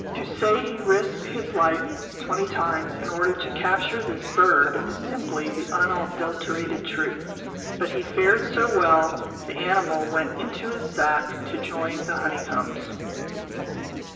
To say he risked his life twenty times in order to capture this bird is simply the unadulterated truth; but he fared so well, the animal went into his sack to join the honeycombs.